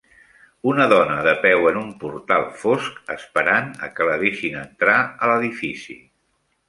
Una dona de peu en un portal fosc, esperant a que la deixin entrar a l'edifici.